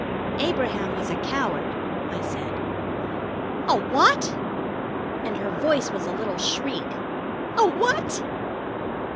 "Abraham was a coward," I said. "A what?" And her voice was a little shriek. "A what?"